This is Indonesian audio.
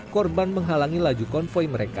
korban menghalangi laju konvoy mereka